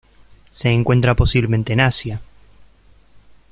Se encuentra posiblemente en Asia.